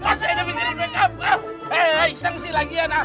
hei hei sengsi lagi ya